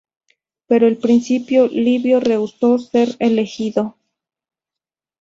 Pero en principio Livio rehusó ser elegido.